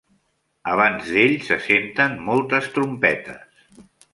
Abans d'ell, se senten moltes trompetes.